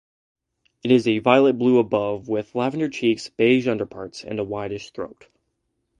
It is violet-blue above, with lavender cheeks, beige underparts and a whitish throat.